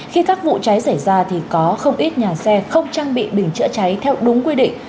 khi các vụ cháy xảy ra thì có không ít nhà xe không trang bị bình chữa cháy theo đúng quy định